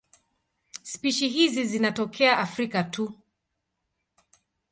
Spishi hizi zinatokea Afrika tu.